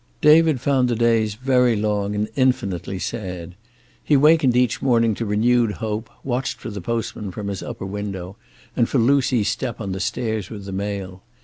David found the days very long and infinitely sad. He wakened each morning to renewed hope, watched for the postman from his upper window, and for Lucy's step on the stairs with the mail.